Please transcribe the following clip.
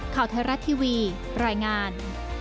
ข่าวเทศรัตน์ทีวีรายงาน